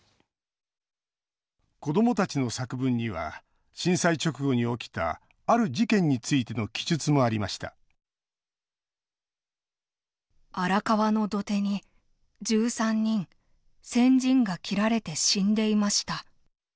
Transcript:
子どもたちの作文には震災直後に起きたある事件についての記述もありました「荒川のどてに十三人鮮人が切られて死んでいました」。